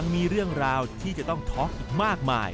อ๋อเมื่อก่อนอีกโหดมาก